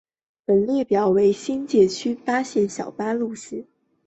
本列表为新界区专线小巴路线的一览表。